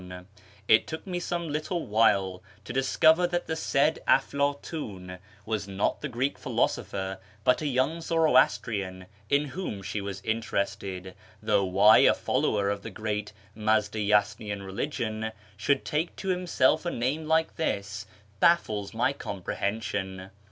It took me some little while to discover that the said Aflatun was not the Greek philosopher but a young Zoroastrian in whom she was interested, though why a follower of " the good Mazdayasnian religion " should take to himself a name like this baffles my comprehension.